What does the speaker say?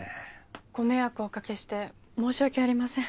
ご迷惑をおかけして申し訳ありません。